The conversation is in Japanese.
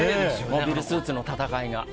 モビルスーツの戦いが。